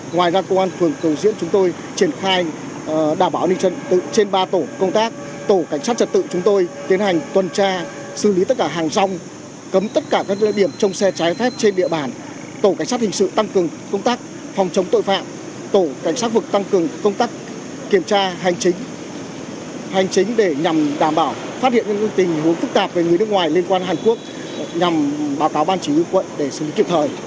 ngoài ra công an phường cầu diễn chúng tôi triển khai đảm bảo an ninh trật tự trên ba tổ công tác tổ cảnh sát trật tự chúng tôi tiến hành tuần tra xử lý tất cả hàng rong cấm tất cả các lợi điểm trong xe trái phép trên địa bàn tổ cảnh sát hình sự tăng cường công tác phòng chống tội phạm tổ cảnh sát vực tăng cường công tác kiểm tra hành chính để nhằm đảm bảo phát hiện những tình huống phức tạp về người nước ngoài liên quan hàn quốc nhằm báo cáo ban chỉ huy quận để xử lý kịp thời